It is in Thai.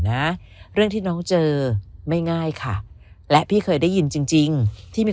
นะเรื่องที่น้องเจอไม่ง่ายค่ะและพี่เคยได้ยินจริงจริงที่มี